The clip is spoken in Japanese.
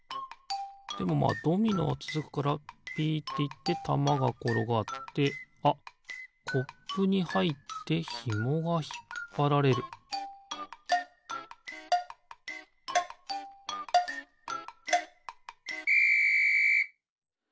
でもまあドミノはつづくからピッていってたまがころがってあっコップにはいってひもがひっぱられるピッ！